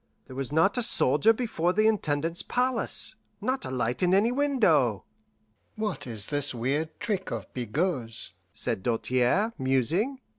There was not a soldier before the Intendant's palace, not a light in any window. "What is this weird trick of Bigot's?" said Doltaire, musing.